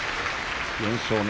４勝目。